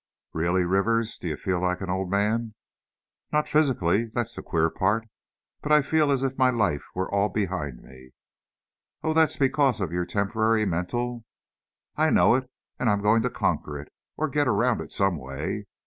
"Really, Rivers, do you feel like an old man?" "Not physically, that's the queer part. But I feel as if my life was all behind me " "Oh, that's because of your temporary mental " "I know it. And I'm going to conquer it, or get around it some way.